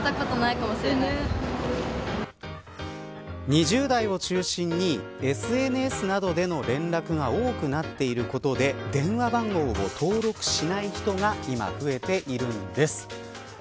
２０代を中心にＳＮＳなどでの連絡が多くなっていることで電話番号を登録しない人が今、増えているんです。